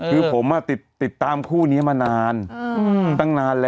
คือผมติดตามคู่นี้มานาน